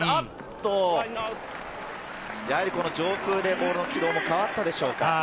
上空でボールの軌道が変わったでしょうか。